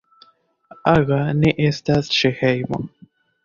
Aga ne estas ĉe hejmo.